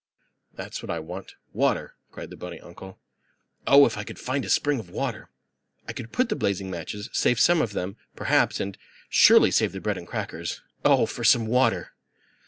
"That's what I want water," cried the bunny uncle. "Oh, if I could find a spring of water. I could put the blazing matches, save some of them, perhaps, and surely save the bread and crackers. Oh, for some water!"